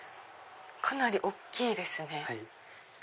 かなり大っきいですね。